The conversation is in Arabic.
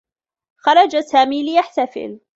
خرج سامي ليحتفل.